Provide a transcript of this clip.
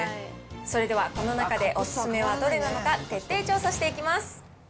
それではこの中でお勧めはどれなのか、徹底調査していきます。